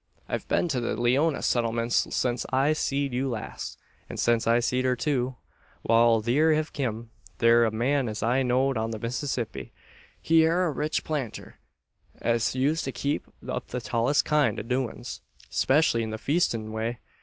I've been to the Leeona settlements since I seed you last, and since I seed her too. Wal, theer hev kum thur a man as I knowed on the Mississippi. He air a rich planter, as used to keep up the tallest kind o' doin's, 'specially in the feestin' way.